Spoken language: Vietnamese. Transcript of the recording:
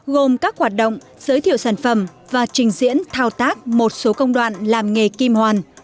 gồm các hoạt động giới thiệu sản phẩm và trình diễn thao tác một số công đoạn làm nghề kim hoàn